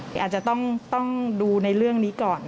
อาจจะต้องดูในเรื่องนี้ก่อน